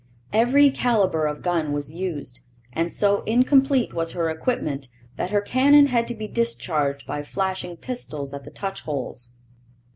Every calibre of gun was used, and so incomplete was her equipment that her cannon had to be discharged by flashing pistols at the touch holes.